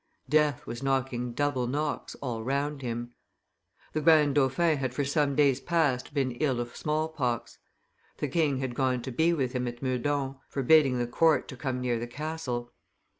Death was knocking double knocks all round him. The grand dauphin had for some days past been ill of small pox. The king had gone to be with him at Meudon, forbidding the court to come near the castle.